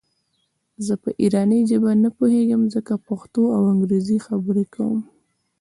زه په ایراني ژبه نه پوهېږم زه پښتو او انګرېزي خبري کوم.